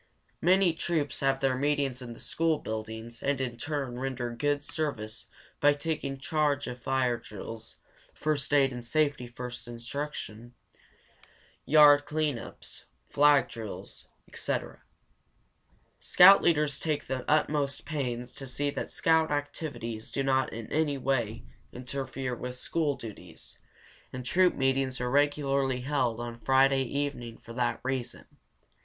Many troops have their meetings in the school buildings and in turn render good service by taking charge of fire drills, first aid and safety first instruction, yard clean ups, flag drills, etc. Scout leaders take the utmost pains to see that scout activities do not in any way interfere with school duties, and troop meetings are regularly held on Friday evening for that reason.